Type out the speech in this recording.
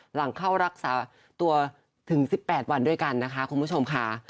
หลังเข้ารักษาตัวถึง๑๘วันด้วยกันนะคะคุณผู้ชมค่ะ